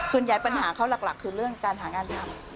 ปัญหาเขาหลักคือเรื่องการหางานทำ